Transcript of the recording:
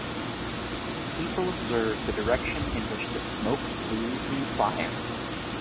People observed the direction in which the smoke blew from the fire.